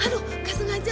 aduh nggak sengaja